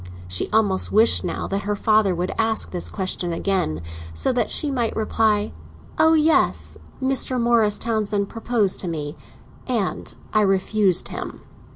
She almost wished, now, that her father would ask his question again, so that she might reply: "Oh yes, Mr. Morris Townsend proposed to me, and I refused him!"